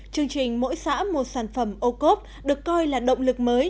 chương trình mỗi xã một sản phẩm ô cốp được coi là động lực mới